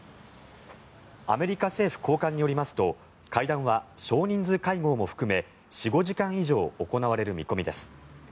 アメリカ政府高官によりますと会談は少人数会合も含め４５時間以上行われる見込みです。